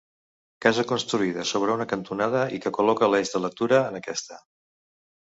Casa construïda sobre una cantonada i que col·loca l'eix de lectura en aquesta.